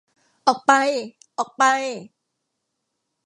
ออกไป ! ออกไป !